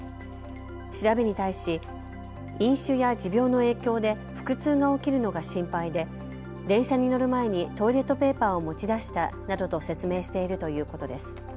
調べに対し飲酒や持病の影響で腹痛が起きるのが心配で電車に乗る前にトイレットペーパーを持ち出したなどと説明しているということです。